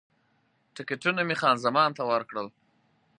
ټکټونه مې خان زمان ته ورکړل.